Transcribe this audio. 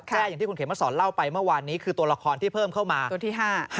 อย่างที่คุณเขมสอนเล่าไปเมื่อวานนี้คือตัวละครที่เพิ่มเข้ามาตัวที่๕